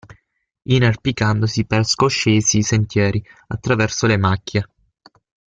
Inerpicandosi per scoscesi sentieri, attraverso le macchie.